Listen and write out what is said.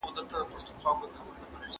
آیا کلتوري بدلون یوه طبیعي پروسه ده؟